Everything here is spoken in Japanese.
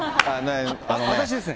私ですね。